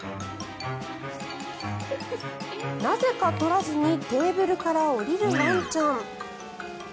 なぜか取らずにテーブルから下りるワンちゃん。